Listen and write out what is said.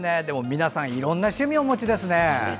皆さんいろんな趣味をお持ちですね。